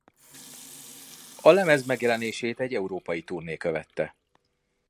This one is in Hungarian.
A lemez megjelenését egy európai turné követte.